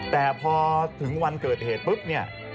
แต่พอถึงวันเกิดเหตุปุ๊บเนี่ย